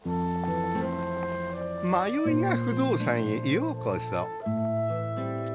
迷い家不動産へようこそ。